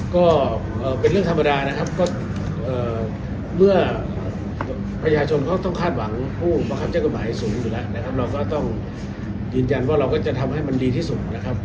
ก็เป็นเรื่องธรรมดานะครับก็เมื่อประชาชนเขาต้องคาดหวังผู้บังคับใช้กฎหมายสูงอยู่แล้วนะครับเราก็ต้องยืนยันว่าเราก็จะทำให้มันดีที่สุดนะครับ